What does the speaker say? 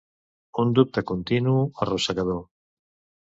Un dubte continu, arrossegador.